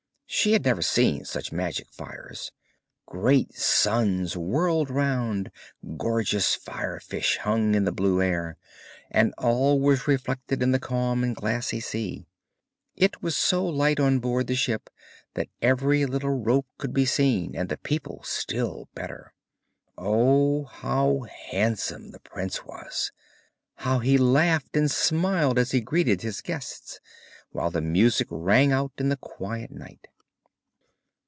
She had never seen such magic fires. Great suns whirled round, gorgeous fire fish hung in the blue air, and all was reflected in the calm and glassy sea. It was so light on board the ship that every little rope could be seen, and the people still better. Oh, how handsome the prince was! how he laughed and smiled as he greeted his guests, while the music rang out in the quiet night.